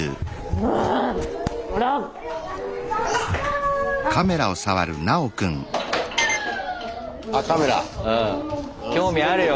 うん興味あるよな。